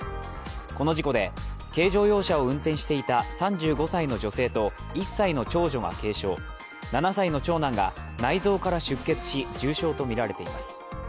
この事故で軽乗用車を運転していた３５歳の女性と１歳の長女が軽傷、７歳の長男が内臓から出血し重傷とみられています。